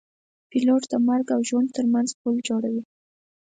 پیلوټ د مرګ او ژوند ترمنځ پل جوړوي.